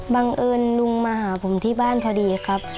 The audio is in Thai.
บังเอิญลุงมาหาผมที่บ้านพอดีครับ